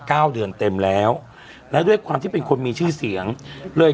เก้าเดือนเต็มแล้วและด้วยความที่เป็นคนมีชื่อเสียงเลย